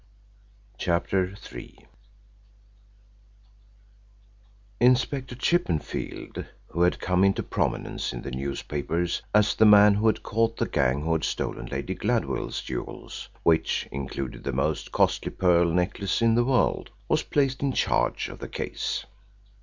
CHAPTER III Inspector Chippenfield, who had come into prominence in the newspapers as the man who had caught the gang who had stolen Lady Gladville's jewels which included the most costly pearl necklace in the world was placed in charge of the case.